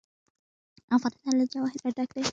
افغانستان له جواهرات ډک دی.